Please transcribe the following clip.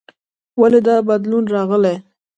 ولې دا بدلون راغلی؟